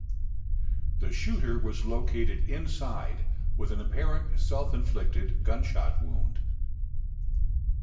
The shooter was located inside with an apparent self-inflicted gunshot wound.